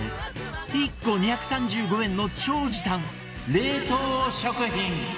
１個２３５円の超時短冷凍食品